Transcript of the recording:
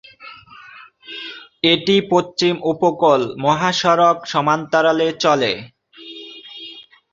এটি পশ্চিম উপকূল মহাসড়ক সমান্তরালে চলে।